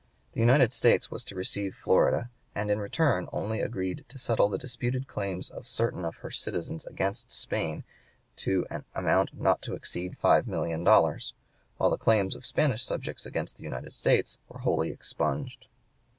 The United States was to receive Florida, and in return only agreed to settle the disputed claims of certain of her citizens against Spain to an amount not to exceed five million dollars; while the claims of Spanish subjects against the United States were wholly expunged.